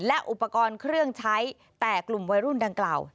และอุปกรณ์เครื่องใช้แต่กลุ่มวัยรุ่นดังกล่าว